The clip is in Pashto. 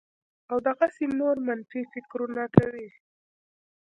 او دغسې نور منفي فکرونه کوي